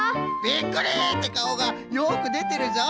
「びっくり！」ってかおがよくでてるぞ！